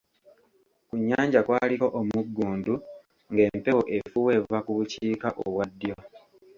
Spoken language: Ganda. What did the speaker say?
Ku nnyanja kwaliko omuggundu; ng'empewo efuuwa eva ku bukiika obwa ddyo.